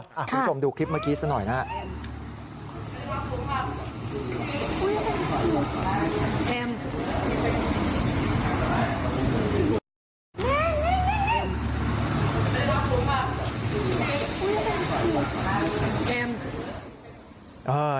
คุณผู้ชมดูคลิปเมื่อกี้ซะหน่อยนะครับ